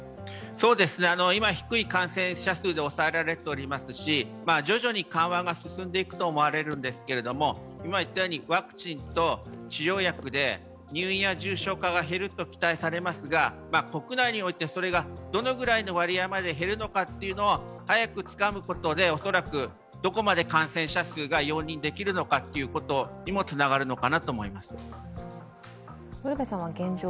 今、低い感染者数で抑えられていますし徐々に緩和が進んでいくと思われるんですけれども、ワクチンと治療薬で入院や重症化が減ると期待されますが、国内においてそれがどのぐらいの割合まで減るのかを早くつかむことで、恐らくどこまで感染者数が容認できるのかということにもつながるのかなと思います。